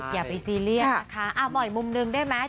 อย่าไปซีเรียกนะคะอ้าวหม่อยมุมหนึ่งได้ไหม